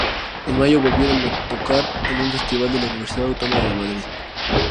En mayo volvieron a tocar en un festival de la Universidad Autónoma de Madrid.